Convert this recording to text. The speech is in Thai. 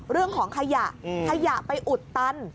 เรื่องของขยะขยะไปอุดตัน